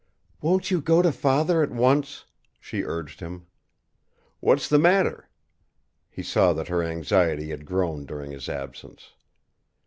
"Won't you go to father at once?" she urged him. "What's the matter?" He saw that her anxiety had grown during his absence.